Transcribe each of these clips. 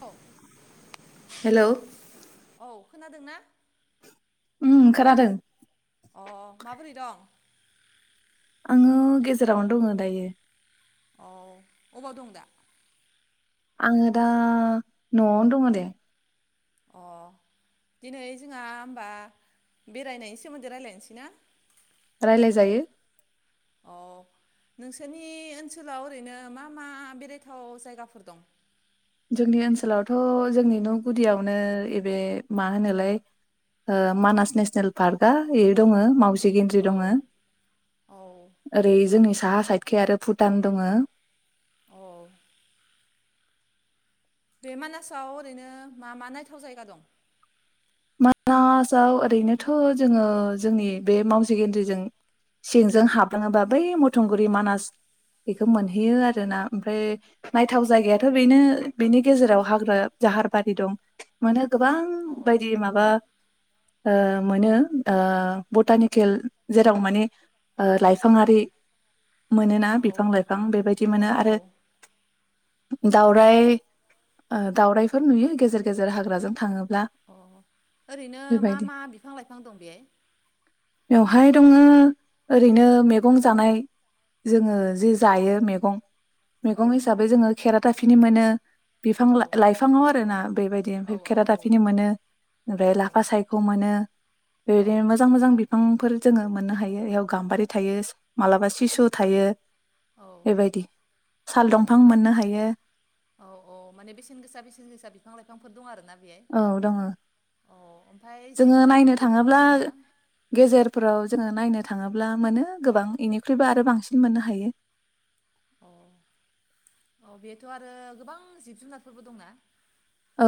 औ। हेलौ। औ खोनादों ना? उम खोनादों। अ माबोरै दं? आङो गेजेरावनो दङ' दायो। औ अबाव दं दा? आङो दा न'आवनो दङ' दे। अ दिनै जोंहा होमबा बेरायनायनि सोमोन्दै रायलायनोसै ना? रायलाय जायो। अ नोंसोरनि ओनसोलाव ओरैनो मा मा बेरायथाव जायगाफोर दं? जोंनि ओनसोलावथ' जोंनि न' गुदियावनो एबे मा होनोलाय मानास नेसनेल पार्कआ ए दङ' माव जि गेन्द्रि औ दङो। औ ओरै जोंनि साहा साइ खै आरो भुटान दङो। औ। बे मानासाव ओरैनो मा मा नायथाव जायगा दं? मानासाव ओरैनोथ' जोङो जोंनि बे मावजि गेन्द्रिजों सिंजों हाबलाङोबा बै मथंगुरि मानास बेखौ मोनहैयो आरोना ओमफ्राय नायथाव जायगायाथ' बेनो बेनि गेजेराव हाग्रा जाहारबारि दं। मानो औ गोबां बे माबा ओ मोनो ओ बटानिकेल जेराव माने ओ लाइफाङारि मोनोना औ बिफां लाइफां बेबायदि औ मोनो औ आरो दाउराय ओ दाउरायफोर नुयो गेजेर गेजेर हाग्राजों थाङोब्ला। अ ओरैनो मा बेबायदि मा बिफां लाइफां दं बेहाय? बेवहाय दङो ओरैनो मेगं जानाय जोङो जि जायो मैगं औ मेगं हिसाबै जोङो खेरा दाफिनि मोनो बिफां औ लाइफाङाव आरोना बेबायदि औ ओमफ्राय औ औ खेरादाफिनि मोनो। ओमफ्राय औ लाफा सायख' मोनो औ बेबायदिनो मोजां मोजां बि बिफांफोर जोङो मोननो हायो बेयाव गाम्बारि थायो मालाबा सिसु थायो। औ बेबायदि साल औ दंफां आरो मोननो हायो औ औ माने बेसेन गोसा बेसेन गोसा बिफां लाायफ बिफांफोर दं आरो ना औ दङ ओमफ्राय जिब जोङो नायनो जुनारफोरबोथ' थाङोब्ला दंना गेजेरफोराव जोङो नायनो थाङोब्ला मोनो गोबां इनिख्रुइबो आरो बांसिन मोननो हायो। अ औ बेथ' आरो गोबां जिब जुनारफोरबो दंना? औ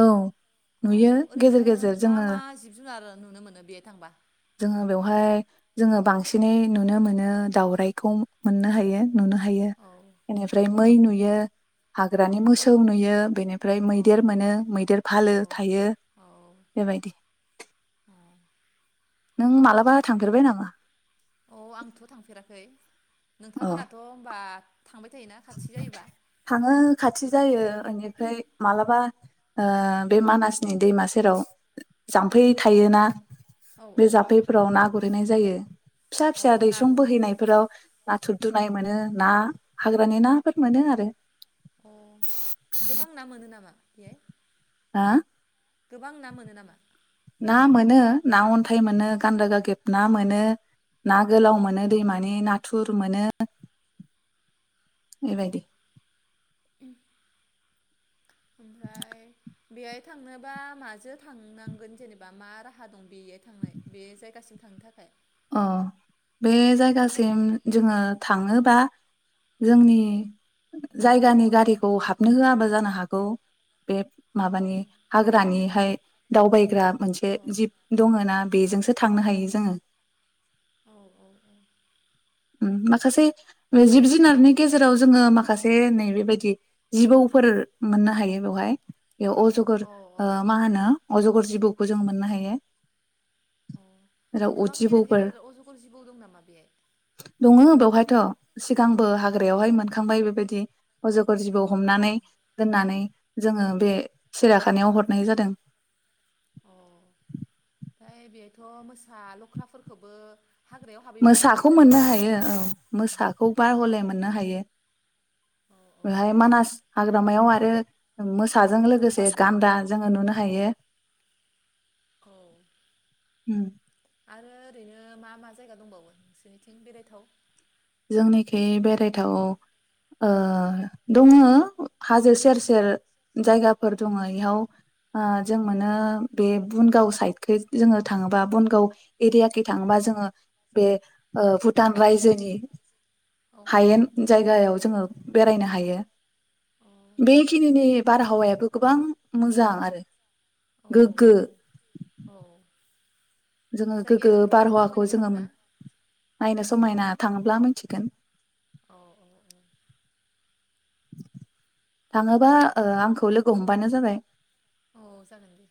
औ नुयो गेजेर ओरैनो गेजेर मा जोङो मा जिब जुनार नुनो मोनो बेहाय थांबा? जोङो बेवहाय जोङो बांसिनै नुनो मोनो दावराइखौ मोननो हायो। नुनो हायो औ इनिफ्राय मै नुयो। बियो औ हाग्रानि मोसौ नुयो बेनिफ्राय औ मैदेर मोनो मैदेर औ फालो थायो औ बेबायदि। औ नों मालाबा थांफेरबाय नामा? औ आंथ' थांफेराखै। अ नोंथांमोनाथ' होनबा। थाङो खाथि बे जायो जायगायाव ओनिफ्राय मालाबा ओ। बे मानासनि दैमा सेराव। जाम्फै थायोना औ बे औ जाम्फैफोराव ना गुरैनाय जायो। फिसा औ फिसा दैसं नाबो बोहैनायफोराव नाथुर औ दुनाय मोनो ना। हाग्रानि नाफोर मोनो आरो। अ गोबां ना मोनो नामा बेहाय? हो? गोबां ना मोनो नामा? ना मोनो ना अन्थाइ मोनो गान्दा गागेब ना मोनो। ना गोलाव मोनो औ दैमानि नाथुर फोर मोनो। बेबायदि। ओम। ओमफ्राय। बेहाय थांनोबा माजों थांनांगोन जेनेबा मा राहा दं बेहाय थांनाय बे जायगासिम थांनो थाखाय? अ बे जायगासिम जोङो थाङोबा जोंनि जायगानि गारिखौ हाबनो होआबो जानो हागौ। बे औ माबानि हाग्रानिहाय दावबायग्रा मोनसे औ जिप दङो ना। बेजोंसो थांनो हायो जोङो। औ औ औ। ओम माखासे ओ जिब जुनारनि गेजेराव जोङो माखासे नै बेबायदि जिबौफोर मोननो हायो बेवहाय। बेयाव अजगर औ औ ओ मा होनो। अजगर जिबौखौ जों मोननो हायो। औ जेराव अर गोबां गेदेर जिबौफोर गेदेर अजगर जिबौ दों नामा बेहाय? थ' सिगां बो अ हाग्रायावहाय मोनखांबाय बेबायदि। अजग फोर जिबौ अ हमनानै दोननानै जोङो बे सिराखानायाव हरनाय जादों। अ' ओमफाय बेहायथ' मोसा लख्राफोरखौबो हाग्रायाव हाबैबानो नुयो मोसाखौ नामा मोननो हायो औ मोसाखौ बा अ हले मोननो हायो औ बेहाय मानास हाग्रामायाव आरो मोस साजों लोगोसे गान्दा जोङो नुनो हायो। औ उम आरो ओरैनो मा मा जायगा दंबावो नोंसोरनिथिं बेरायथाव? जोंनिखै बेरायथाव ओ दङ हाजो सेर सेर जायगाफोर दङ एहाव ओ जों मोनो बे बुनगाव साइदखै जोङो थाङोबा बुनगाव एरियाखै थाङोबा जोङो बे ओ भुटान रायजोनि औ हायेन जायगायाव जोङो बेरायनो हायो। बेखिनिनि बारहावायाबो गोबां मोजां आरो। औ गोग्गो औ जोङो गोग्गो जायगायाबोथ' नायनो बारहावाखौ जोङो समायनाथारना मोन नायनो समायना थाङोब्ला मोनथिगोन। औ औ औ थाङोबा ओ आंखौ लोगो हमबानो जाबाय। औ जागोन दे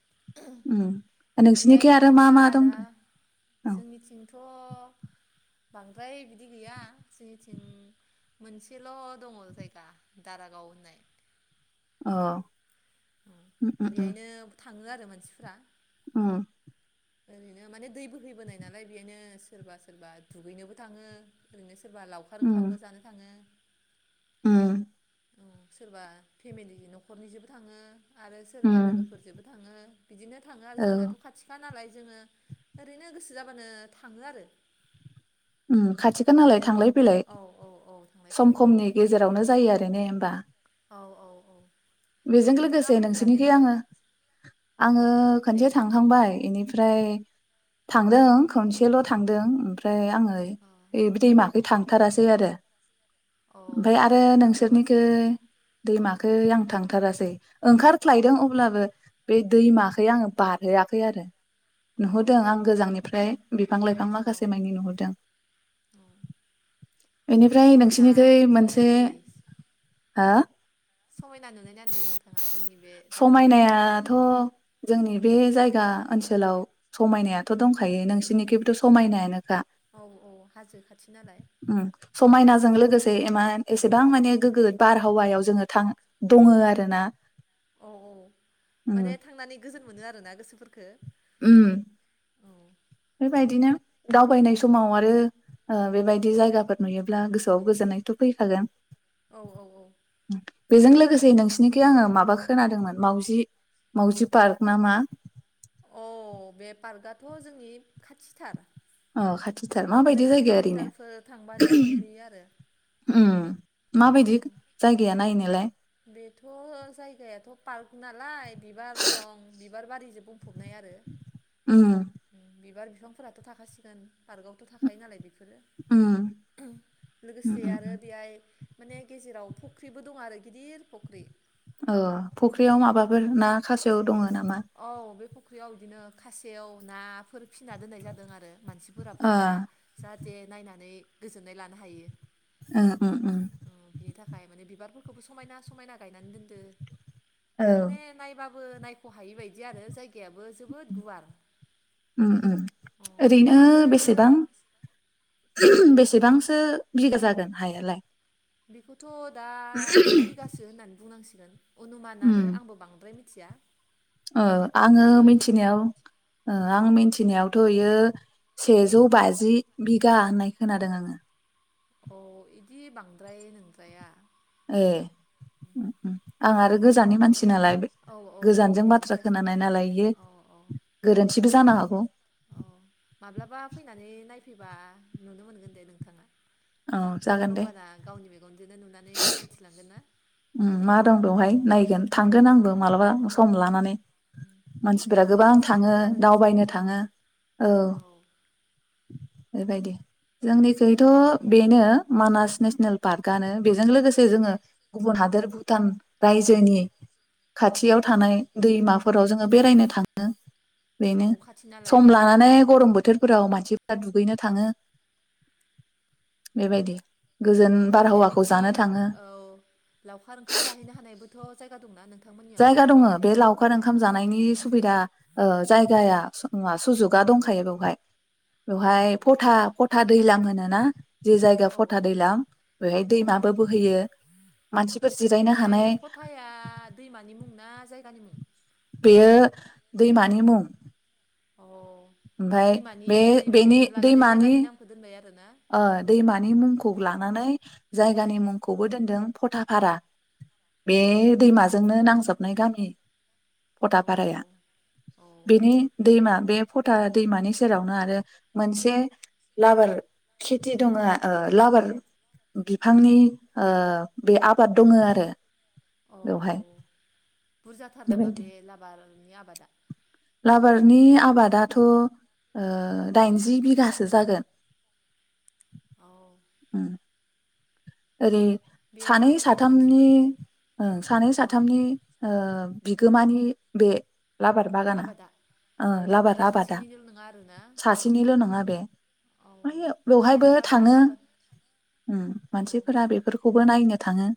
उम नोंसिनिखै बेआयथ' आरो मा होमबा मा दं आदा औ जोंनिथिंथ' बांद्राय बिदि गैया जोंनिथिं मोनसेल' दङ जायगा दारागाव होननाय औ बेआयनो थाङो आरो मानसिफ्रा। उम ओरैनो माने दै बोहैबोनाय नालाय बेआयनो सोरबा सोरबा दुगैनोबो थाङो। ओरैनो सोरबा लावखार उम ओंखामबो जानो थाङो। उम अ' औ सोरबा फेमिलिनि न'खरनिजोंबो थाङो। आरो सोरबा उम लोगोफोरजोंबो थाङो। बिदिनो थाङो आरो औ जोंनाथ' खाथिखा नालाय। जोंङो ओरैनो गोसो जाबानो थाङो उम खाथिखा नालाय थांलाय फैलाइ औ औ औ थांलाय खम फैलाय औ समनि गेजेरावनो जायो आरो ना होमबा औ औ औ बेजों नोंथाङा लोगोसे फैफेराखै नोंसोरनिखै नामा आङो औ आङो औ दे खनसे बुं थांखांबाय बेनिफ्राय थांदों खनसेल' थांदों ओमफ्राय आङो औ बे दैमाखै थांथारासै आरो औ ओमफ्राय आरो दैमाखौ नुवासै नोंसोरनिथिं औ दैमाखौ आं थां औ ओंखारख्लायदों अब्लाबो बे दैमाखौै आङो बारहोआखै आरो औ नुहुरदों औ आं गोजाननिफ्राय बिफां लाइफां औ माखासे मानि नुहुरदों औ बेनिफ्राय समायना नोंसिनिथिं नुनायना मोनसे नुयि हा? समायना नुनायना नुयै नोंथाङा जोंनि बे दारागावखौ समायनायाथ' जोंनि बे जायगा ओनसोलाव समायनायाथ' दंखायो नोंसोर बिनिखिबोथ समायनायानो खा औ औ हाजो खाथि नालाय समायनाजों औ लोगोसे गोबां माने गोगो बारहावायाव जोङो थाङो दङ आरोना औ औ उम माने थांनानै गोजोन मोनो आरोना गोसोफोरखो उम औ बेबायदि नो दावबायनाय औ समाव आरो बेबायदि जायगाफोर नुयोब्ला गोसोआव गोजोननायथ' फैखागोन। औ औ औ बेजों लोगोसे नोंसिनिखै आङो माबा खोनादोंमोन माउजि माउजि पार्क ना मा? औ बे पार्कआथ जोंनि खाथिथार अ खा थिथार नै माबायदि जायगाया ओरैनो किल'मिटारफोर थांबानो मोनहैयो आरो उम माबायदि औ जायगाया नायनो [unintelligible] बेथ जायगायाथ पार्क नालाय बिबार दं बिबार बारिजों बुंफबनाय आरो उम बिबार बिफांफोराथ थाखासिगोन पार्कआवथ थाखायो नालाय बि बेफोरो उम उम लोगोसे उम आरो उम बेहाय माने गेजेराव फुख्रिबो दं आरो गिदिर फुख्रि अ फुख्रियाव उम बे माबाफोर ना खासेयाव दङ नामा औ बे फुख्रियाव बिदिनो खासेयाव नाफोर फिसिना दोननाय जादों आरो मानसिफोरा ओ फैबा जाहाथे नायनानै गोजोननाय लानो हायो उम उम उम अ बिनि थाखाय माने बिबारफोर फोरखौबो समायना समायना गायनानै दोनदो औ माने नायबाबो फो नाय सहायै बायदि आरो जायगायाबो जोबोद गुवार उम उम अ ओरैनो आगोल बेसेबां बेसेबांसो बिगा जागोन हायालाय बिखौ थ दा जि बिगासो होननानै बुंनांसिगोन ! ! ! अनुमान उम आरो आंबो बांद्राय मिथि खुथिया ओ आङो मिनथिनायाव ओ औ आं मिनथिनायावथ बेयो सेजौ बाजि बिघा होननाय खोनादों आङो अ इदि बांद्राय नोंद्राया ए आं आरो गोजाननि मानसि नालाय बे- औ औ औ गोजानजों बाथ्रा बेलेगनिफ्रायसो खोनानाय नालाय इयो औ औ गोरोन्थिबो जानो हागौ औ माब्लाबा फैनानै नायफै फैबा नुनो मोनगोन दे नोंथाङा औ जागोन दे होमबाना गावनि मेगन बिदिनो नुनानै मिथिलांगोन ना उम मा दं औ बेवहाय नायगोन थांगोन आंबो मालाबा औ सम औ लानानै मानसिफोरा थांबा गोबां मोजां थाङो मोनो आरो दावबायनो गोसोफोरखौ थाङो औ बेबायदि जोंनिखैथ औ बेनो मानास नेसनेल पार्क आनो बेजों लोगोसे जोङो गुबुन हादोर भुटान रायजोनि खाथियाव थानाय दैमाफोराव जोङो बेरायनो थाङो औ बेनो खाथि नालाय सम लानानै गरम बोथोरफोराव मानसि दा दुगैनो थाङो बेबायदि गोजोन औ ओमफ्राय बारहावाखौ बिदि जानो थाङो औ लावखार ओंखाम जाहैनो हानायबोथ जायगा दंना नों जायगा दङो बे लावखार ओंखाम जानायनि सुबिदा ओ जायगाया सुजुगा दंखायो बेवहाय औ बेवहाय फथा फथा दैलां होनो नोना जे जायगा औ औ फथा दैलां बेवहाय औ दैमाबो बोहैयो मानसिफोर जिरायनो हानाय नि मुं ना जायगानि मुं बेयो दैमानि मुं अ ओमफाय दैमानि बे बेनि मुंखौनो लानानै दैमानि जायगानि नामखौ दोनबाय आरोना ओ दैमानि मुंखौ लानानै जायगानि मुंखौबो दोनदों फथाफारा बे औ दैमाजोंनो नांजाबनाय गामि नि औ फटाफाराया औ बेनि दैमा बे फथा दैमानि सेरावनो आरो मोनसे लाबार खेथि दङो ओ लाबार बिफांनि ओ बे आबाद दङो आरो औ औ बेवहाय बुरजाथार नामा बेबायदि बे लाबार नि आबादा नि आबादाथ' ओ दाइनजि बिघासो जागोन औ उम ओरै सानै बेहायबो साथामनि मानसिफोर उम सानै औ साथामनि ओ बिगोमानि बे लाबार बागाना आबादा ओ औ लाबार माने आबादा सासेनिल' नङा आरोना सासेनिल' नङा बे औ ओमफ्रायो बेवहायबे लाबार थाङो आबाद उम औ मानसिफोरा बेफोरखौ बो नायनो थाङो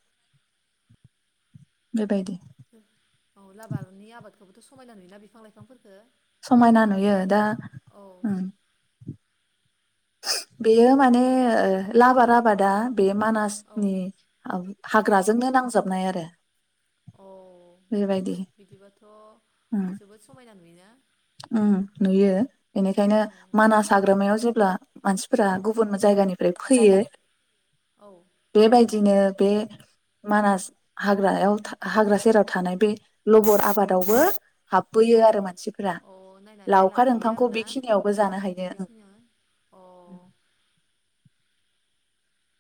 बेबायदि औ लाबारनि आबादखौबोथ' समायना नुयोना बिफां लाइफांफोरखो समायना नुयो दा उम [inaudible] बेयो माने बेखौ लाबार आबाद दा बे औ मानासनि औ हाग्राजोंनो नांजाबनाय आरो औ बेबायदि बिदिबाथ' जोबोद समायना नुयोना नुयो नुयो बेनिखायनो औ मानास हाग्रामायाव जेब्ला मानसिफोरा गुबुन जायगानिफ्राय फैयो जायगानिफ्राय औ बेबायदिनो बे मानास हाग्रायाव हाग्रा सेराव थानाय बे लबर आबादावबो हाबहैयो अ आरो मानसिफोरा। अ नायना लावखार नायलांखायो ओंखामखौ आरोना बेखिनियावबो जानो हायो बेखिनियावनो ओं। अ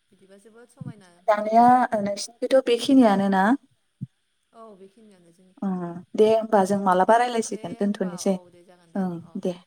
बिदिबा जोबोद समायना बे दानिया जायगाया नोंसिनिखैथ' बे [unintelligible] खिनियानो ना? औ [unintelligible] जोंनिखै उम दे होमबा जों अ मालाबा दे राय्लायसिगोन होमबा औ दोनथ'नोसै दे जागोन दे ओं अ दे।